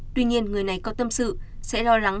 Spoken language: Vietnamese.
tuy nhiên người này có tâm sự sẽ lo lắng